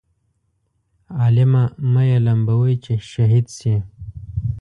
عالمه مه یې لمبوئ چې شهید شي.